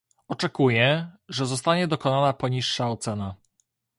Oczekuję, że zostanie dokonana poniższa ocena